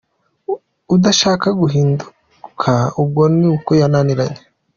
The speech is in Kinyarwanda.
Udashaka guhinduka ubwo ni uko yananiranye.